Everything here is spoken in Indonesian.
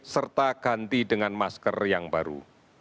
serta ganti dengan masker yang baru